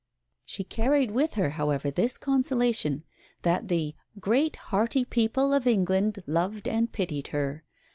She carried with her, however, this consolation, that the "great, hearty people of England loved and pitied her."